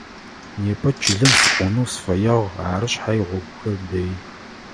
Непэ чылэм сыкӏонэу сыфэягъ, ары шъхьай гъогухэр дэих.